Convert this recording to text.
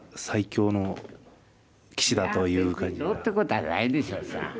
いや全然どうってことはないでしょうさ。